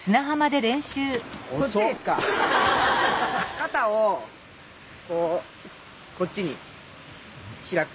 肩をこうこっちに開く。